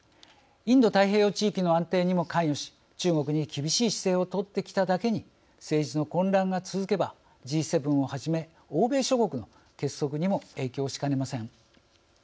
インド太平洋地域の安定にも関与し中国に厳しい姿勢をとってきただけに政治の混乱が続けばＧ７をはじめ欧米諸国の結束にも影響しかねません。